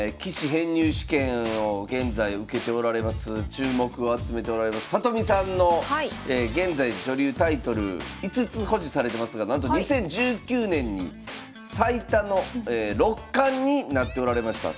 注目を集めておられます里見さんの現在女流タイトル５つ保持されてますがなんと２０１９年に最多の六冠になっておられました。